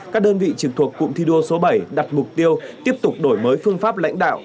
các đơn vị trực thuộc cụm thi đua số bảy đặt mục tiêu tiếp tục đổi mới phương pháp lãnh đạo